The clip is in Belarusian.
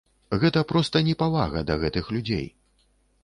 Гэта проста непавага да гэтых людзей!